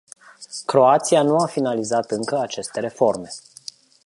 Croația nu a finalizat încă aceste reforme.